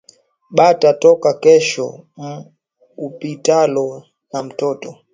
Bata toka kesho mu opitalo na mtoto